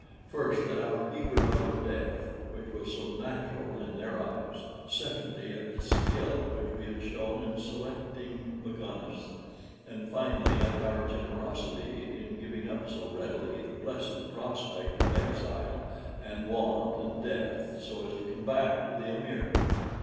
First, at our eager love of death, which was so natural in their eyes; secondly, at the skill which we had shown in selecting Magones; and finally, at our generosity in giving up so readily the blessed prospect of exile and want and death, so as to come back to the amir.